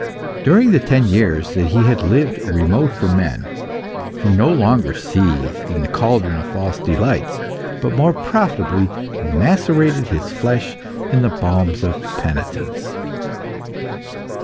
During the ten years that he had lived remote from men, he no longer seethed in the cauldron of false delights, but more profitably macerated his flesh in the balms of penitence.